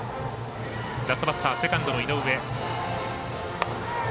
ラストバッター、セカンドの井上。